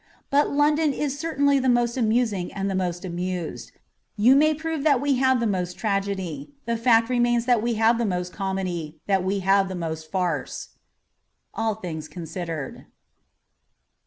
But London is certainly the most amusing and the most amused. You may prove that we have the most tragedy ; the fact remains that we have the most comedy, that we have the most farce. ' yiU Things Considtred.